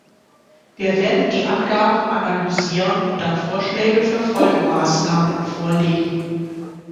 Wir werden die Angaben analysieren und dann Vorschläge für Folgemaßnahmen vorlegen.